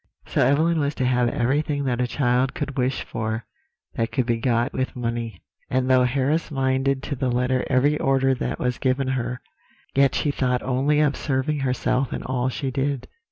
"So Evelyn was to have everything that a child could wish for that could be got with money; and though Harris minded to the letter every order that was given her, yet she thought only of serving herself in all she did.